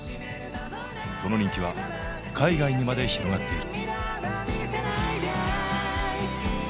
その人気は海外にまで広がっている。